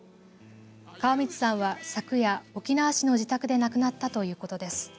川満さんは昨夜沖縄市の自宅で亡くなったということです。